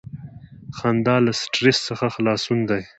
• خندا له سټریس څخه خلاصون دی.